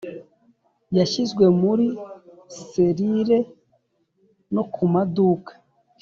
yashizwe muri selire no kumaduka